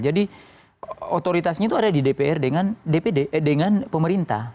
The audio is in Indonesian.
jadi otoritasnya itu ada di dpr dengan dpd dengan pemerintah